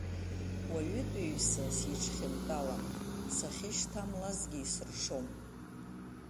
Уаҩытәыҩса сиҽхьынтәалам, сахьышьҭамлазгьы исыршом.